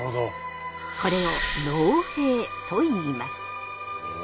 これを農兵といいます。